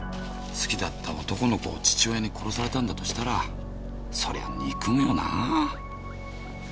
好きだった男の子を父親に殺されたんだとしたらそりゃ憎むよなぁ。